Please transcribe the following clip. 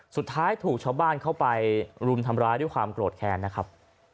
สุดท้ายถูกชาวบ้านเข้าไปรุมทำร้ายด้วยความโกรธแค้นนะครับ